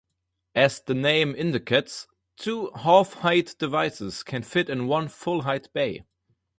As the name indicates, two half-height devices can fit in one full-height bay.